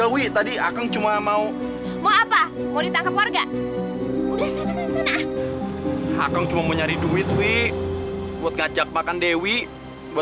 aku jadi nggak enak sama kamu